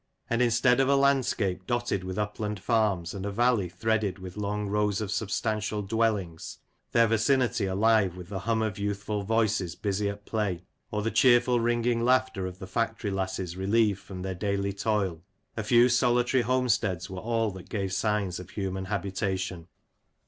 And instead of a landscape dotted with upland farms, and a valley threaded with long rows of substantial dwellings, their vicinity alive with the hum of youthful voices busy at play, or the cheerful, ringing laughter of the factory lasses relieved from their daily toil, a few solitary homesteads were all that gave signs of human habitation.